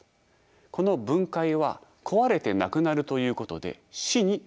この分解は壊れてなくなるということで死に相当します。